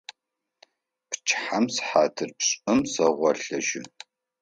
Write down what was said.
Пчыхьэм сыхьатыр пшӀым сэгъолъыжьы.